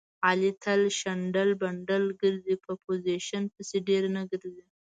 علي تل شډل بډل ګرځي. په پوزیشن پسې ډېر نه ګرځي.